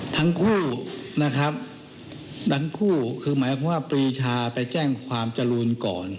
ทั้งคู่นะครับทั้งคู่คือหมายความว่าปรีชาไปแจ้งความจรูนก่อน